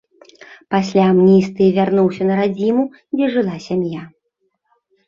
Пасля амністыі вярнуўся на радзіму, дзе жыла сям'я.